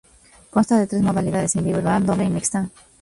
Consta de tres modalidades: individual, doble y mixta.